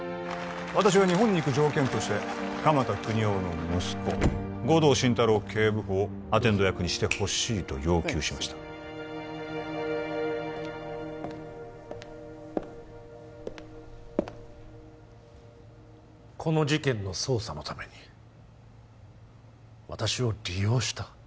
私は日本に行く条件として鎌田國士の息子護道心太朗警部補をアテンド役にしてほしいと要求しましたこの事件の捜査のために私を利用した？